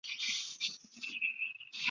圣莱奥纳尔。